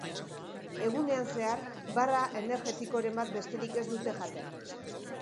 Egunean zehar, barra energetikoren bat besterik ez dute jaten.